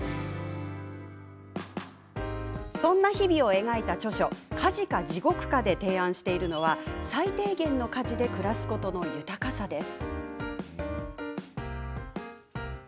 そんな日々を描いた著書「家事か地獄か」で提案しているのは最低限の家事で暮らすことの豊かさです。